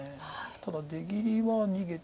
ただ出切りは逃げて。